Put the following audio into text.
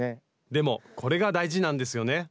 でもこれが大事なんですよね